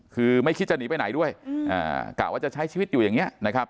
คือไม่คิดจะหนีไปไหนด้วยกะว่าจะใช้ชีวิตอยู่อย่างนี้นะครับ